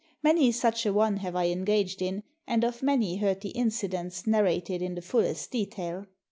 Many such a one have I engaged in, and of many heard the incidents narrated in the fullest detail.